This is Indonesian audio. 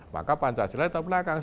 maka pancasila diperlakukan